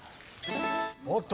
おっと。